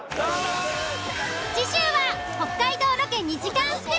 次週は北海道ロケ２時間ＳＰ。